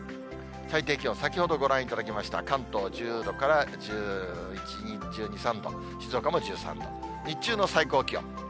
最低気温、先ほどご覧いただきました、関東１０度から１１、２、３度、静岡も１３度、日中の最高気温。